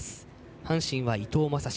阪神は伊藤将司。